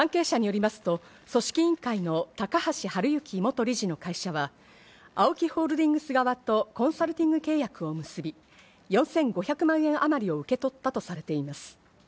関係者によりますと、組織委員会の高橋治之元理事の会社はＡＯＫＩホールディングス側とコンサルティング契約を結び、４５００万円あまりを受け取ったとされています。